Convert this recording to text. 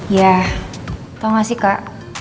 ya tau gak sih kak